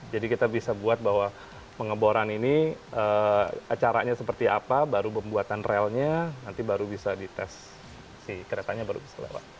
jadi kita bisa buat bahwa pengeboran ini acaranya seperti apa baru pembuatan relnya nanti baru bisa dites keretanya baru bisa lewat